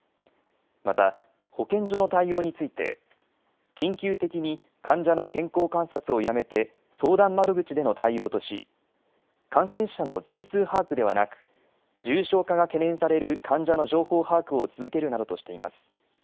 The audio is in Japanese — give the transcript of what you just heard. また保健所の対応について緊急的に患者の健康観察をやめて相談窓口での対応とし感染者の全数把握ではなく重症化が懸念される患者の情報把握を続けるなどとしています。